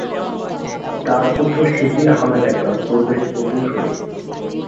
তার পুত্র শিবলী আহমেদ একজন পরিবেশ প্রকৌশলী।